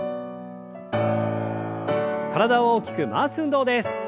体を大きく回す運動です。